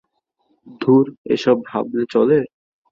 ধুর এসব ভাবলে চলে!